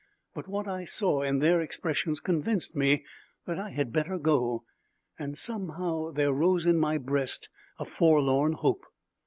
But what I saw in their expressions convinced me that I had better go, and somehow, there rose in my breast a forlorn hope.